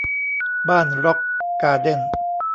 บ้านร็อคการ์เด้น